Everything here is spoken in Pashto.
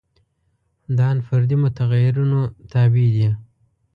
دا ان فردي متغیرونو تابع دي.